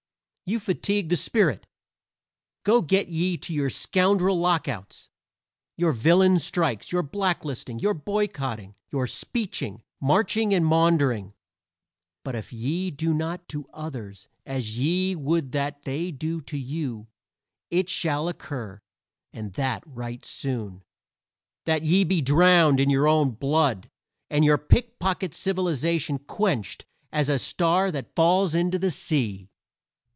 you fatigue the spirit. Go get ye to your scoundrel lockouts, your villain strikes, your blacklisting, your boycotting, your speeching, marching and maundering; but if ye do not to others as ye would that they do to you it shall occur, and that right soon, that ye be drowned in your own blood and your pick pocket civilization quenched as a star that falls into the sea.